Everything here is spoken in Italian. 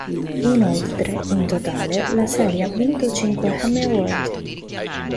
Inoltre, in totale, la serie ha vinto cinque Emmy Award.